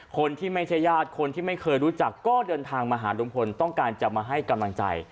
คนที่ไม่ใช่ญาติคนที่ไม่เคยรู้จักก็เดินทางมาหาลุงพลต้องการจะมาให้กำลังใจ